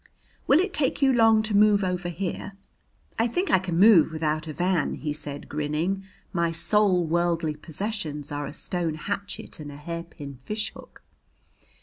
"Will it take you long to move over here?" "I think I can move without a van," he said, grinning. "My sole worldly possessions are a stone hatchet and a hairpin fishhook."